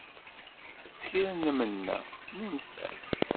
S kra nmenna, nunef-as.